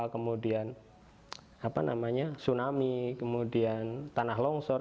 kemudian tsunami kemudian tanah longsor